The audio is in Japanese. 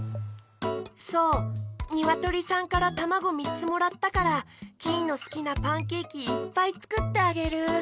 そうにわとりさんからたまごみっつもらったからキイのすきなパンケーキいっぱいつくってあげる。